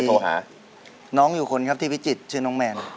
เพลงนี่ก็ชอบชอบเนื้อเพลงจริงนะ